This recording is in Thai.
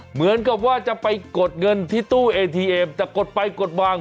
เหมือนกับว่าจะไปกดเงินที่ตู้เอทีเอ็มแต่กดไปกดวาง